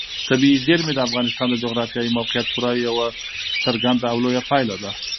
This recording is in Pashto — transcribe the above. طبیعي زیرمې د افغانستان د جغرافیایي موقیعت پوره یوه څرګنده او لویه پایله ده.